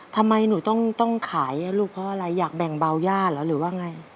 ทำไมหนูต้องขายลูกเพราะอะไรอยากแบ่งเบาย่าเหรอหรือว่าไง